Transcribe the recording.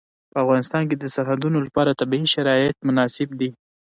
په افغانستان کې د سرحدونه لپاره طبیعي شرایط مناسب دي.